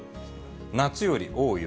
夏より多い訳。